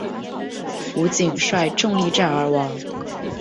吴瑾率众力战而亡。